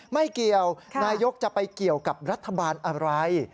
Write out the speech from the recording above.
ไม่เกี่ยวนายกจะไปเกี่ยวกับรัฐบาลอะไร